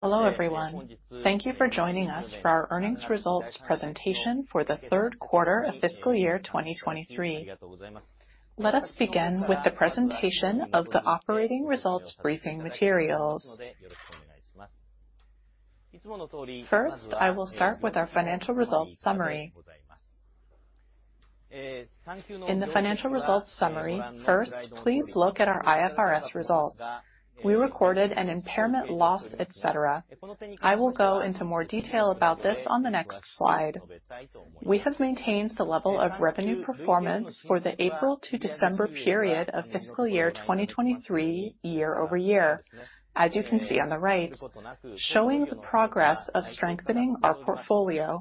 Hello, everyone. Thank you for joining us for our earnings results presentation for the third quarter of fiscal year 2023. Let us begin with the presentation of the operating results briefing materials. First, I will start with our financial results summary. In the financial results summary, first, please look at our IFRS results. We recorded an impairment loss, et cetera. I will go into more detail about this on the next slide. We have maintained the level of revenue performance for the April to December period of fiscal year 2023, year-over-year, as you can see on the right, showing the progress of strengthening our portfolio.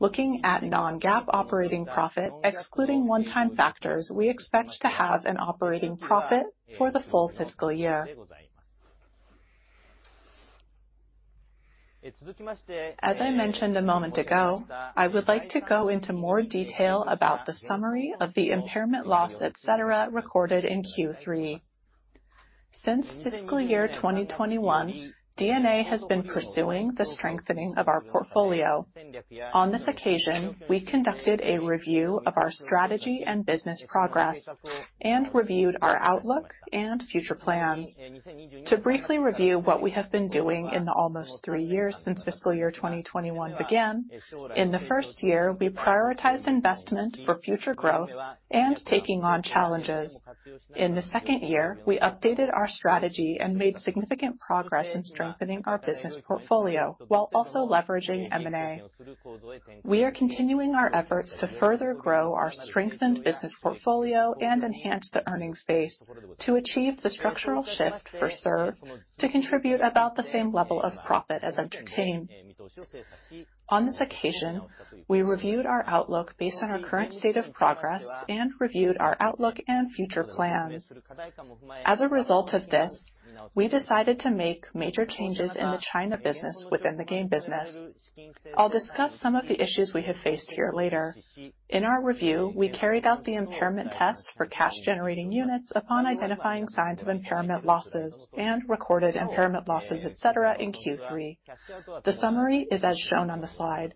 Looking at Non-GAAP Operating Profit, excluding one-time factors, we expect to have an operating profit for the full fiscal year. As I mentioned a moment ago, I would like to go into more detail about the summary of the impairment loss, et cetera, recorded in Q3. Since fiscal year 2021, DeNA has been pursuing the strengthening of our portfolio. On this occasion, we conducted a review of our strategy and business progress, and reviewed our outlook and future plans. To briefly review what we have been doing in the almost three years since fiscal year 2021 began, in the first year, we prioritized investment for future growth and taking on challenges. In the second year, we updated our strategy and made significant progress in strengthening our business portfolio, while also leveraging M&A. We are continuing our efforts to further grow our strengthened business portfolio and enhance the earnings base to achieve the structural shift for Serve to contribute about the same level of profit as Entertain. On this occasion, we reviewed our outlook based on our current state of progress and reviewed our outlook and future plans. As a result of this, we decided to make major changes in the China business within the game business. I'll discuss some of the issues we have faced here later. In our review, we carried out the impairment test for cash-generating units upon identifying signs of impairment losses, and recorded impairment losses, et cetera, in Q3. The summary is as shown on the slide.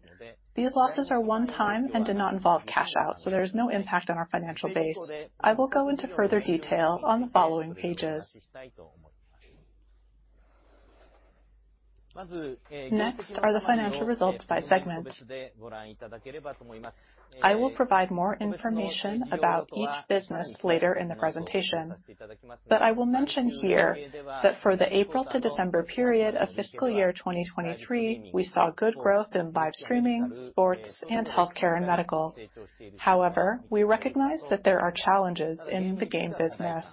These losses are one-time and did not involve cash out, so there is no impact on our financial base. I will go into further detail on the following pages. Next are the financial results by segment. I will provide more information about each business later in the presentation, but I will mention here that for the April to December period of fiscal year 2023, we saw good growth in live streaming, sports, and healthcare and medical. However, we recognize that there are challenges in the game business.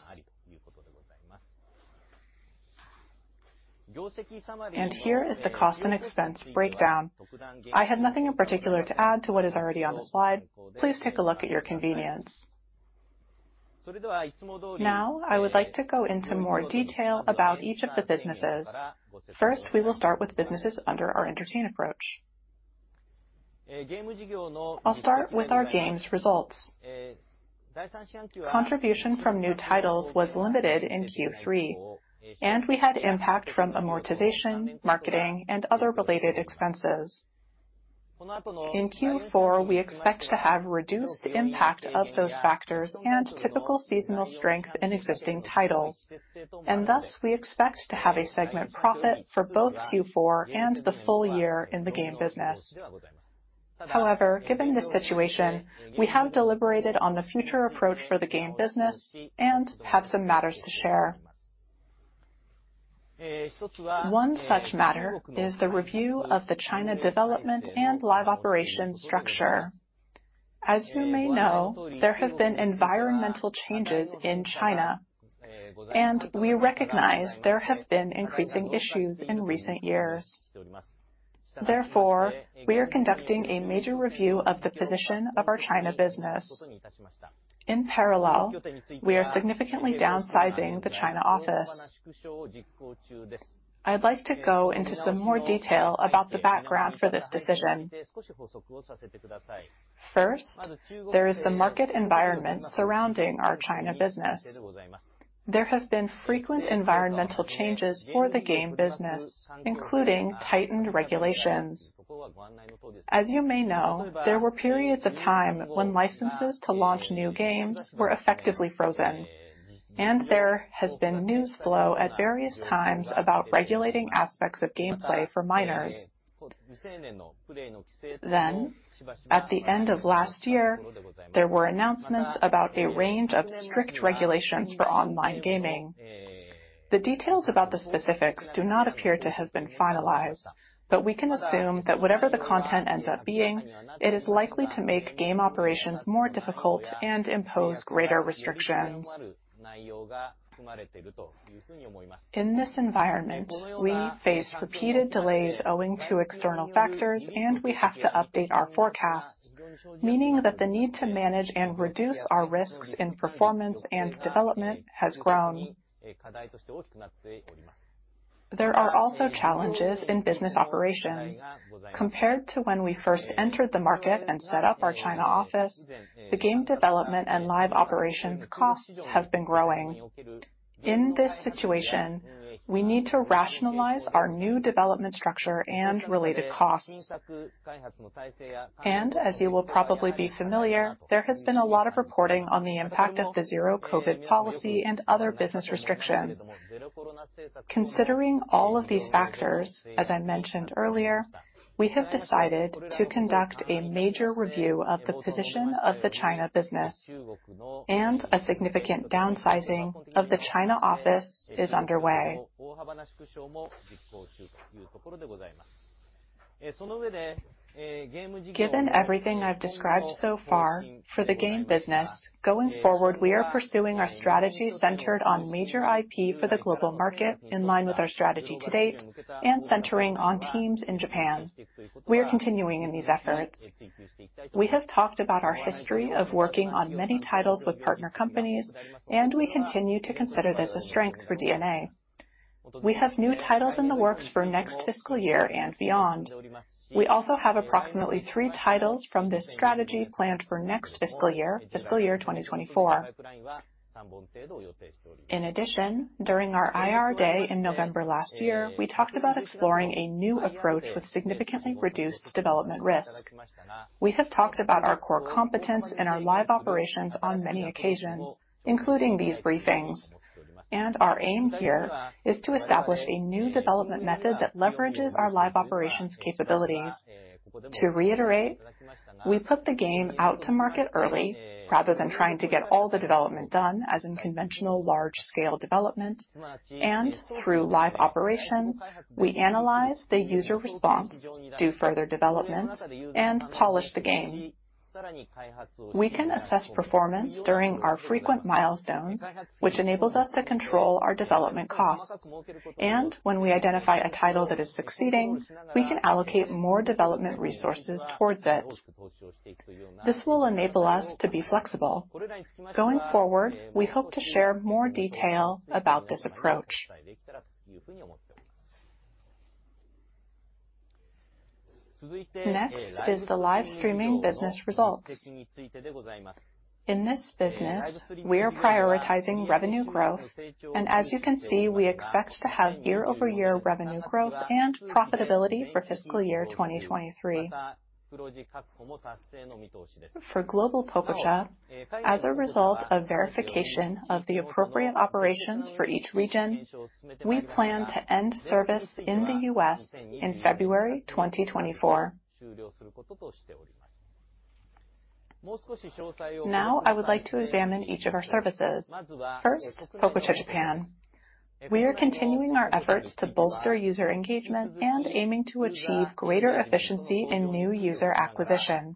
Here is the cost and expense breakdown. I have nothing in particular to add to what is already on the slide. Please take a look at your convenience. Now, I would like to go into more detail about each of the businesses. First, we will start with businesses under our Entertain approach. I'll start with our Games results. Contribution from new titles was limited in Q3, and we had impact from amortization, marketing, and other related expenses. In Q4, we expect to have reduced impact of those factors and typical seasonal strength in existing titles, and thus we expect to have a segment profit for both Q4 and the full year in the Game business. However, given the situation, we have deliberated on the future approach for the Game business and have some matters to share. One such matter is the review of the China development and live operations structure. As you may know, there have been environmental changes in China, and we recognize there have been increasing issues in recent years. Therefore, we are conducting a major review of the position of our China business. In parallel, we are significantly downsizing the China office. I'd like to go into some more detail about the background for this decision. First, there is the market environment surrounding our China business. There have been frequent environmental changes for the Game business, including tightened regulations. As you may know, there were periods of time when licenses to launch new games were effectively frozen, and there has been news flow at various times about regulating aspects of gameplay for minors. Then, at the end of last year, there were announcements about a range of strict regulations for online gaming. The details about the specifics do not appear to have been finalized, but we can assume that whatever the content ends up being, it is likely to make game operations more difficult and impose greater restrictions. In this environment, we face repeated delays owing to external factors, and we have to update our forecasts, meaning that the need to manage and reduce our risks in performance and development has grown. There are also challenges in business operations. Compared to when we first entered the market and set up our China office, the game development and live operations costs have been growing. In this situation, we need to rationalize our new development structure and related costs. As you will probably be familiar, there has been a lot of reporting on the impact of the Zero-COVID Policy and other business restrictions. Considering all of these factors, as I mentioned earlier, we have decided to conduct a major review of the position of the China business, and a significant downsizing of the China office is underway. Given everything I've described so far, for the game business, going forward, we are pursuing our strategy centered on major IP for the global market, in line with our strategy to date, and centering on teams in Japan. We are continuing in these efforts. We have talked about our history of working on many titles with partner companies, and we continue to consider this a strength for DeNA. We have new titles in the works for next fiscal year and beyond. We also have approximately 3 titles from this strategy planned for next fiscal year, fiscal year 2024. In addition, during our IR Day in November last year, we talked about exploring a new approach with significantly reduced development risk. We have talked about our core competence and our live operations on many occasions, including these briefings, and our aim here is to establish a new development method that leverages our live operations capabilities. To reiterate, we put the game out to market early, rather than trying to get all the development done, as in conventional large-scale development, and through live operations, we analyze the user response, do further development, and polish the game. We can assess performance during our frequent milestones, which enables us to control our development costs, and when we identify a title that is succeeding, we can allocate more development resources towards it. This will enable us to be flexible. Going forward, we hope to share more detail about this approach. Next is the live streaming business results. In this business, we are prioritizing revenue growth, and as you can see, we expect to have year-over-year revenue growth and profitability for fiscal year 2023. For Global Pococha, as a result of verification of the appropriate operations for each region, we plan to end service in the U.S. in February 2024. Now, I would like to examine each of our services. First, Pococha Japan. We are continuing our efforts to bolster user engagement and aiming to achieve greater efficiency in new user acquisition.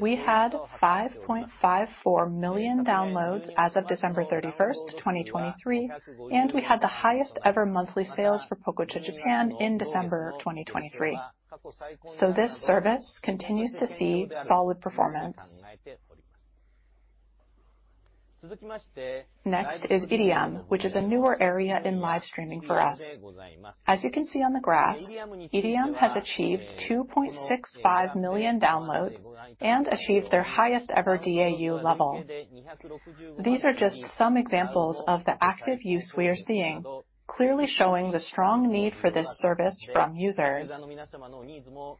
We had 5.54 million downloads as of December 31, 2023, and we had the highest ever monthly sales for Pococha Japan in December 2023. So this service continues to see solid performance. Next is IRIAM, which is a newer area in live streaming for us. As you can see on the graphs, IRIAM has achieved 2.65 million downloads and achieved their highest ever DAU level. These are just some examples of the active use we are seeing, clearly showing the strong need for this service from users.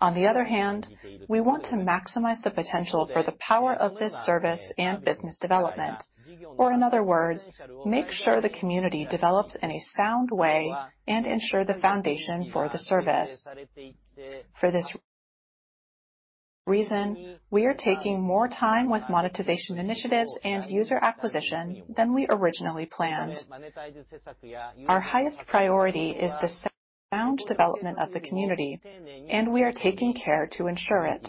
On the other hand, we want to maximize the potential for the power of this service and business development, or in other words, make sure the community develops in a sound way and ensure the foundation for the service. For this reason, we are taking more time with monetization initiatives and user acquisition than we originally planned. Our highest priority is the sound development of the community, and we are taking care to ensure it.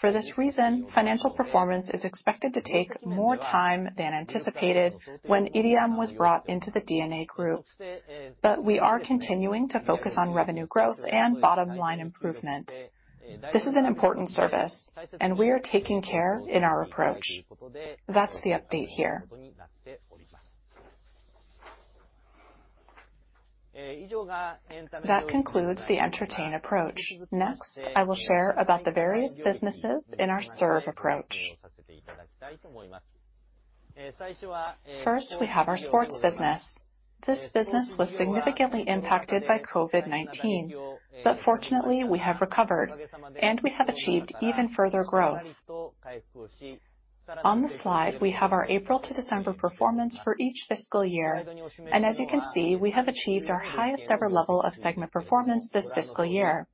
For this reason, financial performance is expected to take more time than anticipated when Allm was brought into the DeNA group, but we are continuing to focus on revenue growth and bottom line improvement. This is an important service, and we are taking care in our approach. That's the update here. That concludes the Entertain approach. Next, I will share about the various businesses in our Serve approach. First, we have our sports business. This business was significantly impacted by COVID-19, but fortunately, we have recovered, and we have achieved even further growth. On the slide, we have our April to December performance for each fiscal year, and as you can see, we have achieved our highest ever level of segment performance this fiscal year.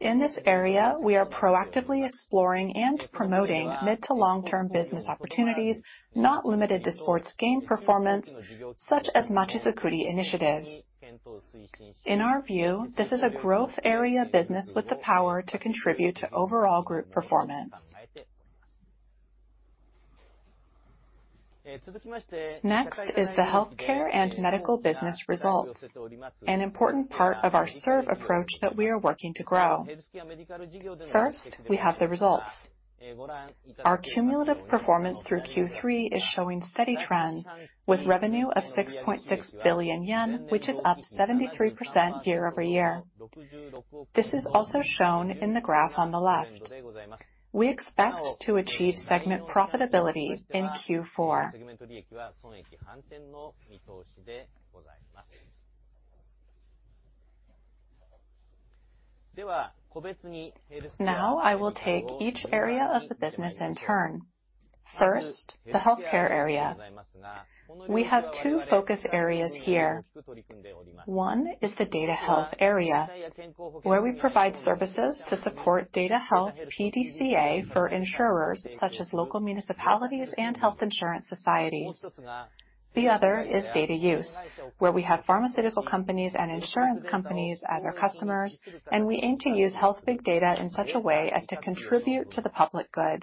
In this area, we are proactively exploring and promoting mid to long-term business opportunities, not limited to sports game performance, such as Machizukuri initiatives. In our view, this is a growth area business with the power to contribute to overall group performance. Next is the healthcare and medical business results, an important part of our Serve approach that we are working to grow. First, we have the results. Our cumulative performance through Q3 is showing steady trends, with revenue of 6.6 billion yen, which is up 73% year-over-year. This is also shown in the graph on the left. We expect to achieve segment profitability in Q4. Now, I will take each area of the business in turn. First, the healthcare area. We have two focus areas here. One is the data health area, where we provide services to support data health PDCA for insurers such as local municipalities and health insurance societies. The other is data use, where we have pharmaceutical companies and insurance companies as our customers, and we aim to use health big data in such a way as to contribute to the public good.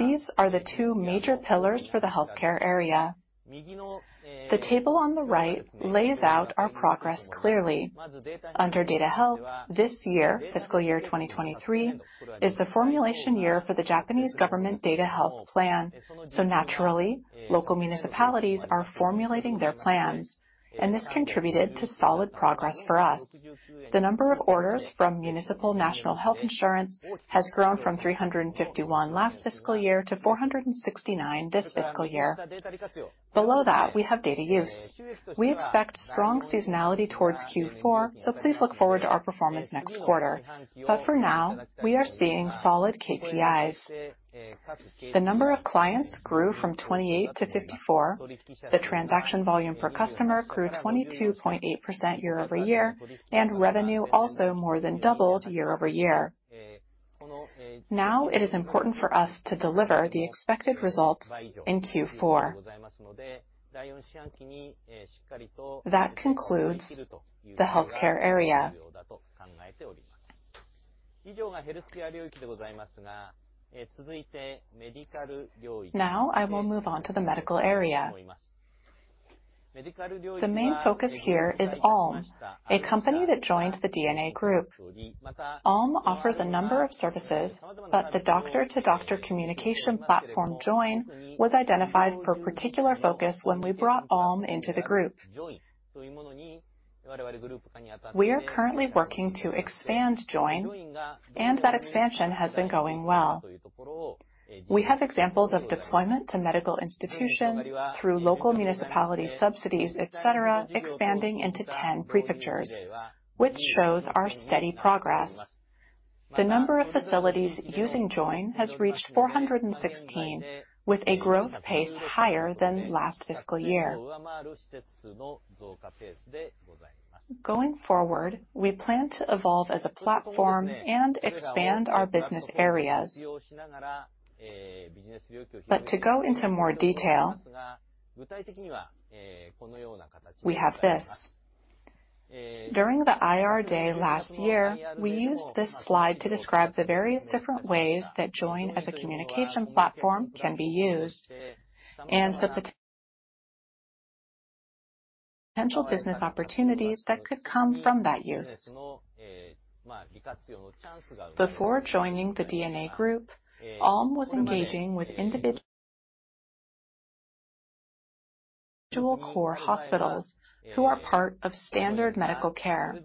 These are the two major pillars for the healthcare area. The table on the right lays out our progress clearly. Under data health, this year, fiscal year 2023, is the formulation year for the Japanese government Data Health Plan, so naturally, local municipalities are formulating their plans, and this contributed to solid progress for us. The number of orders from municipal National Health Insurance has grown from 351 last fiscal year to 469 this fiscal year. Below that, we have data use. We expect strong seasonality towards Q4, so please look forward to our performance next quarter. But for now, we are seeing solid KPIs. The number of clients grew from 28 to 54. The transaction volume per customer grew 22.8% year-over-year, and revenue also more than doubled year-over-year. Now, it is important for us to deliver the expected results in Q4. That concludes the healthcare area. Now, I will move on to the medical area. The main focus here is Allm, a company that joined the DeNA group. Allm offers a number of services, but the doctor-to-doctor communication platform, JOIN, was identified for particular focus when we brought Allm into the group. We are currently working to expand JOIN, and that expansion has been going well. We have examples of deployment to medical institutions through local municipality subsidies, et cetera, expanding into 10 prefectures, which shows our steady progress. The number of facilities using JOIN has reached 416, with a growth pace higher than last fiscal year. Going forward, we plan to evolve as a platform and expand our business areas. But to go into more detail, we have this. During the IR Day last year, we used this slide to describe the various different ways that JOIN as a communication platform can be used, and the potential business opportunities that could come from that use. Before joining the DeNA group, Allm was engaging with individual core hospitals who are part of standard medical care.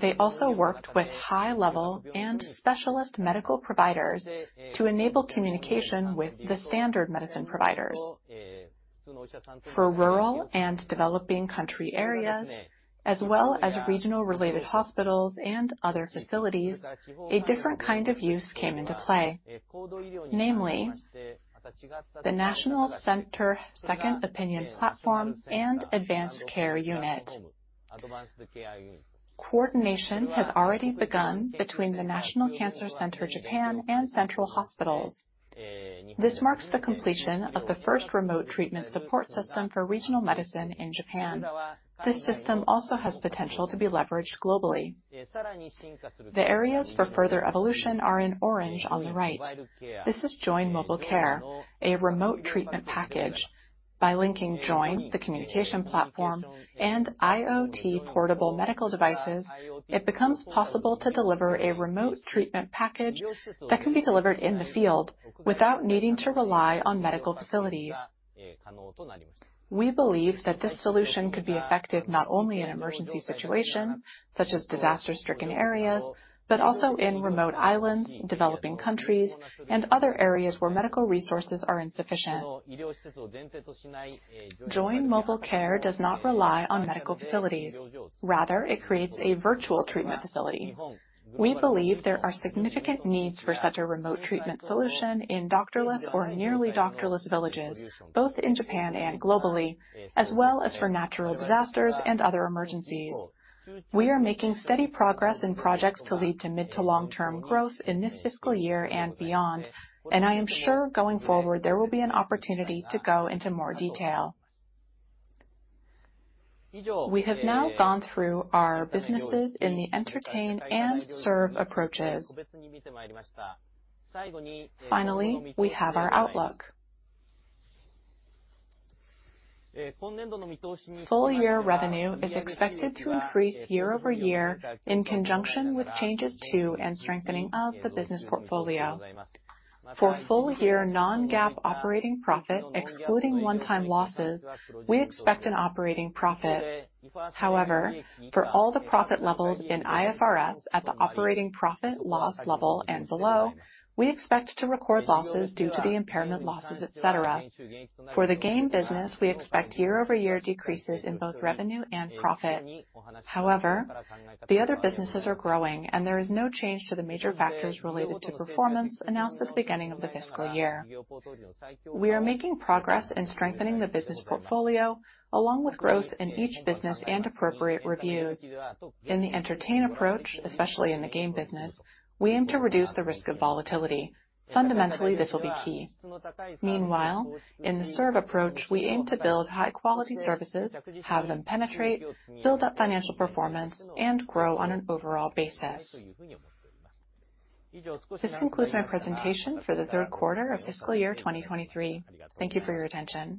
They also worked with high-level and specialist medical providers to enable communication with the standard medicine providers. For rural and developing country areas, as well as regional-related hospitals and other facilities, a different kind of use came into play. Namely, the National Center Second Opinion Platform and Advanced Care Unit. Coordination has already begun between the National Cancer Center Japan and central hospitals. This marks the completion of the first remote treatment support system for regional medicine in Japan. This system also has potential to be leveraged globally. The areas for further evolution are in orange on the right. This is JOIN Mobile Care, a remote treatment package. By linking JOIN, the communication platform, and IoT portable medical devices, it becomes possible to deliver a remote treatment package that can be delivered in the field without needing to rely on medical facilities. We believe that this solution could be effective not only in emergency situations, such as disaster-stricken areas, but also in remote islands, developing countries, and other areas where medical resources are insufficient. JOIN Mobile Care does not rely on medical facilities. Rather, it creates a virtual treatment facility. We believe there are significant needs for such a remote treatment solution in doctor-less or nearly doctor-less villages, both in Japan and globally, as well as for natural disasters and other emergencies. We are making steady progress in projects to lead to mid- to long-term growth in this fiscal year and beyond, and I am sure going forward, there will be an opportunity to go into more detail. We have now gone through our businesses in the Entertain and Serve approaches. Finally, we have our outlook. Full-year revenue is expected to increase year-over-year in conjunction with changes to and strengthening of the business portfolio. For full-year non-GAAP operating profit, excluding one-time losses, we expect an operating profit. However, for all the profit levels in IFRS at the operating profit, loss, level and below, we expect to record losses due to the impairment losses, et cetera. For the game business, we expect year-over-year decreases in both revenue and profit. However, the other businesses are growing, and there is no change to the major factors related to performance announced at the beginning of the fiscal year. We are making progress in strengthening the business portfolio along with growth in each business and appropriate reviews. In the Entertainment approach, especially in the game business, we aim to reduce the risk of volatility. Fundamentally, this will be key. Meanwhile, in the service approach, we aim to build high-quality services, have them penetrate, build up financial performance, and grow on an overall basis. This concludes my presentation for the third quarter of fiscal year 2023. Thank you for your attention.